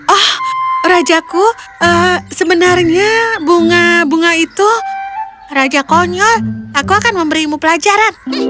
oh rajaku sebenarnya bunga bunga itu raja konyol aku akan memberimu pelajaran